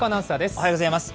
おはようございます。